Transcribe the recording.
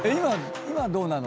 今どうなの？